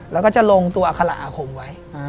แล้วก็จะลงตัวอาคาร์หระอัขมไว้